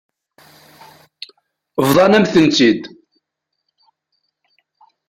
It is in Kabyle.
Bḍan-am-ten-id.